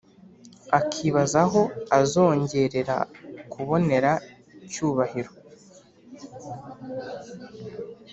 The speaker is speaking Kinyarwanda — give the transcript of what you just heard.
akibaza aho azongerera kubonera cyubahiro